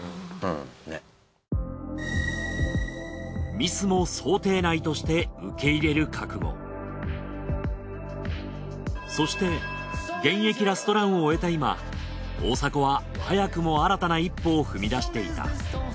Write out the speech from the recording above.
ミスも想定内として受け入れる覚悟そして現役ラストランを終えた今大迫は早くも新たな１歩を踏み出していた。